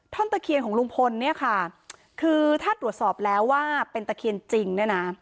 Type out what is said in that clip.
ตะเคียนของลุงพลเนี่ยค่ะคือถ้าตรวจสอบแล้วว่าเป็นตะเคียนจริงเนี่ยนะ